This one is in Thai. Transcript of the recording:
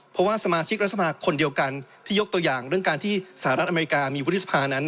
เพราะว่าสมาชิกรัฐสภาคนเดียวกันที่ยกตัวอย่างเรื่องการที่สหรัฐอเมริกามีวุฒิสภานั้น